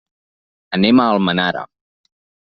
Anem a Almenara.